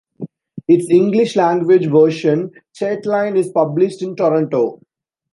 Its English language version, Chatelaine, is published in Toronto.